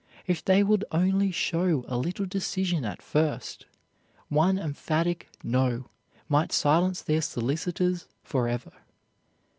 If they would only show a little decision at first, one emphatic "No" might silence their solicitors forever.